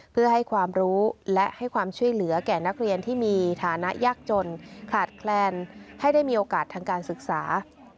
เพื่อให้ความรู้และให้ความช่วยเหลือแก่นักเรียนที่มีฐานะยากจนขาดแคลนให้ได้มีโอกาสทางการศึกษา